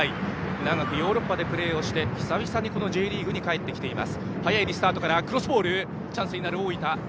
長くヨーロッパでプレーして久々にＪリーグに帰ってきています。